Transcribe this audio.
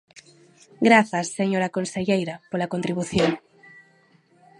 Grazas, señora conselleira, pola contribución.